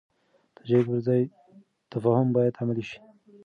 د جګړې پر ځای تفاهم باید عملي شي.